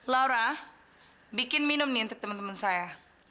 laura bikin minum nih untuk teman teman saya